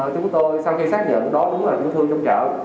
chúng tôi sau khi xác nhận đó cũng là tiểu thương trong chợ